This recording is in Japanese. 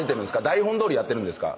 台本どおりやってるんですか？